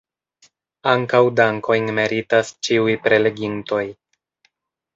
Ankaŭ dankojn meritas ĉiuj prelegintoj.